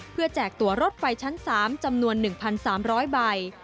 เพื่อแจกตัวรถไฟชั้น๓จำนวน๑๓๐๐ใบ